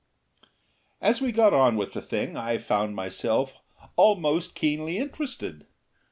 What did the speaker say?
As we got on with the thing I found myself almost keenly interested.